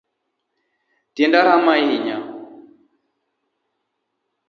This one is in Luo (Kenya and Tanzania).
Tienda rama ahinya.